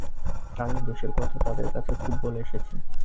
তাদের দোষের কথা তাদের কাছে খুব বলে এসেছি।